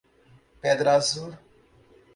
Pedra Azul